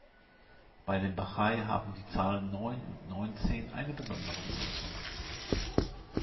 Bei den Bahai haben die Zahlen Neun und Neunzehn eine besondere Bedeutung.